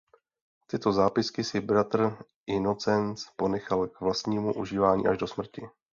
Tyto zápisky si bratr Inocenc ponechal k vlastnímu užívání až do smrti.